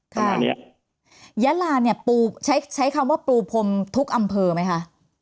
ค่ะยะลาเนี่ยปูใช้ใช้คำว่าปูพรมทุกอำเภอไหมคะ